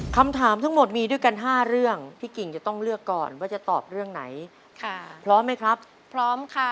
คำถามทั้งหมดมีด้วยกัน๕เรื่องพี่กิ่งจะต้องเลือกก่อนว่าจะตอบเรื่องไหนค่ะพร้อมไหมครับพร้อมค่ะ